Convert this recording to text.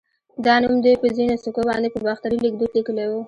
دا نوم دوی په ځینو سکو باندې په باختري ليکدود لیکلی و